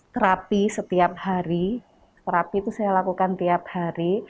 terapi setiap hari terapi itu saya lakukan tiap hari